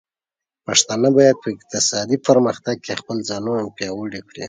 پښتانه بايد په اقتصادي پرمختګ کې خپل ځانونه پياوړي کړي.